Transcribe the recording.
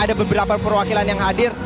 ada beberapa perwakilan yang hadir